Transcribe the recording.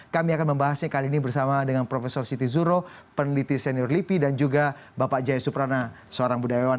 kami akan membahasnya kali ini bersama dengan prof siti zuro peneliti senior lipi dan juga bapak jaya suprana seorang budayawan